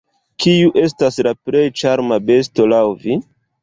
Kiu estas la plej ĉarma besto laŭ vi?